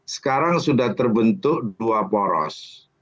sekarang sudah terbentuk dua poros